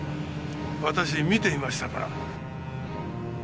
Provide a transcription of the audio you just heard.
私見ていましたから。